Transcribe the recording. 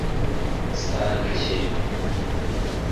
Sake